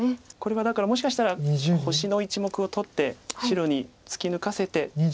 これはだからもしかしたら星の１目を取って白につき抜かせて。